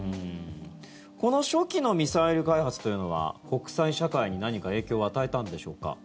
この初期のミサイル開発というのは国際社会に何か影響を与えたのでしょうか。